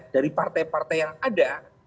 dari partai partai yang ada